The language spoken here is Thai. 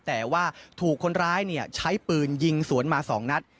แต่ว่าถูกคนร้ายใช้ปืนยิงสวนมา๒นัด